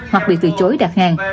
hoặc bị tùy chối đặt hàng